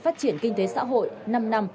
phát triển kinh tế xã hội năm năm